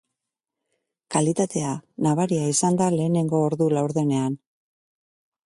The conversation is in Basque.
Kalitatea nabaria izan da lehenengo ordu laurdenean.